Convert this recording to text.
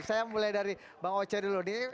saya mulai dari bang oci dulu